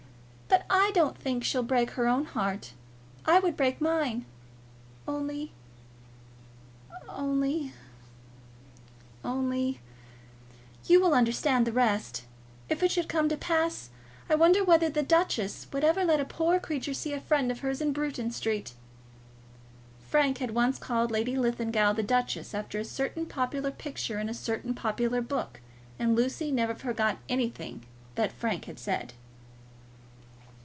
But I don't think she'll break her own heart. I would break mine; only only only You will understand the rest. If it should come to pass, I wonder whether 'the duchess' would ever let a poor creature see a friend of hers in Bruton Street?" Frank had once called Lady Linlithgow the duchess, after a certain popular picture in a certain popular book, and Lucy never forgot anything that Frank had said.